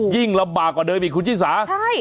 ยิ่งลำบากกว่าเดินมีคุณชิสา